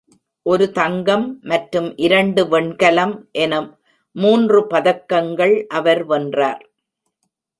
ஒரு தங்கம் மற்றும் இரண்டு வெண்கலம் என மூன்று பதக்கங்கள் அவர் வென்றார்.